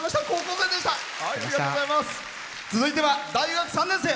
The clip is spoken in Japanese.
続いては大学３年生。